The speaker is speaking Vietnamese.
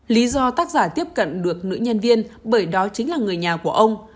lý do tác giả tiếp cận được nữ nhân viên bởi đó chính là người nhà của ông